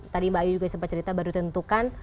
tadi mbak ayu juga sempat cerita baru ditentukan